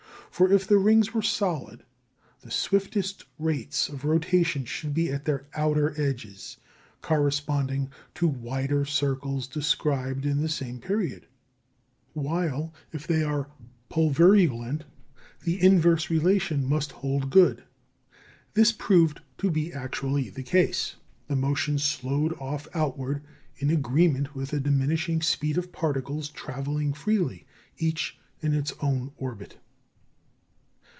For if the rings were solid, the swiftest rates of rotation should be at their outer edges, corresponding to wider circles described in the same period; while, if they are pulverulent, the inverse relation must hold good. This proved to be actually the case. The motion slowed off outward, in agreement with the diminishing speed of particles travelling freely, each in its own orbit.